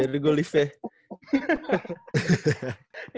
ya udah gue leave nya